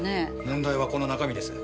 問題はこの中身です。